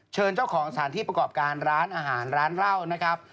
เจ้าของสถานที่ประกอบการร้านอาหารร้านเหล้านะครับ